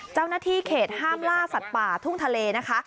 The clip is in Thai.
เจ้าหน้าที่เขตห้ามล่าสัตว์ป่าทุ่งทะเลนะคะ